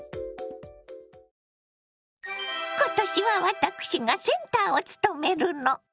今年は私がセンターを務めるの。